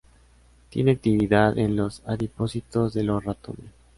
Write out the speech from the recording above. Tiene actividad en los adipocitos de los ratones.